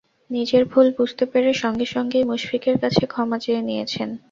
নিজের ভুল বুঝতে পেরে সঙ্গে সঙ্গেই মুশফিকের কাছে ক্ষমা চেয়ে নিয়েছেন।